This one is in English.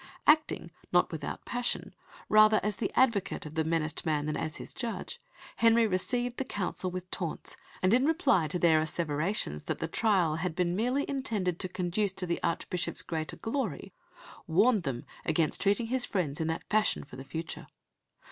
Acting, not without passion, rather as the advocate of the menaced man than as his judge, Henry received the Council with taunts, and in reply to their asseverations that the trial had been merely intended to conduce to the Archbishop's greater glory, warned them against treating his friends in that fashion for the future.